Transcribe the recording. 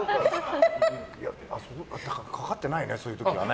かかってないね、そういう時はね。